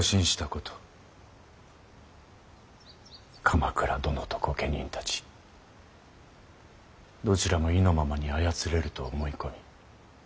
鎌倉殿と御家人たちどちらも意のままに操れると思い込み